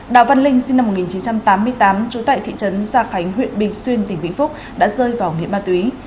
đào văn linh sinh năm một nghìn chín trăm tám mươi tám trú tại thị trấn gia khánh huyện bình xuyên tỉnh vĩnh phúc đã rơi vào miệng ma túy